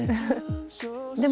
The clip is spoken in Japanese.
でも。